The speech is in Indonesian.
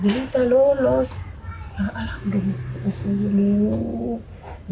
alhamdulillah ya allah ya allah ya allah ya allah mama saya masuk begini mama supaya tidak terhina mama